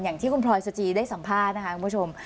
อย่างที่คุณพลอยสจีได้สัมภาษณ์นะคะคุณผู้ชม